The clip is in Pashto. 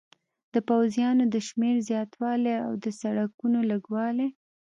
د پوځیانو د شمېر زیاتوالی او د سړکونو لږوالی.